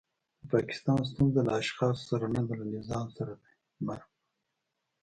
د پاکستان ستونزه له اشخاصو سره نده له نظام سره دی. مرګ په